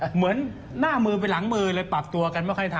เหมือนหน้ามือไปหลังมือเลยปรับตัวกันไม่ค่อยทำ